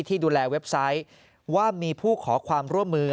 ที่ดูแลเว็บไซต์ว่ามีผู้ขอความร่วมมือ